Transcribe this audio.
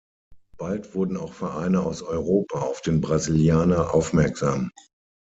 Bald wurden auch Vereine aus Europa auf den Brasilianer aufmerksam.